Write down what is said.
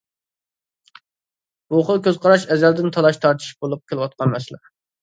بۇ خىل كۆز قاراش ئەزەلدىن تالاش-تارتىش بولۇپ كېلىۋاتقان مەسىلە.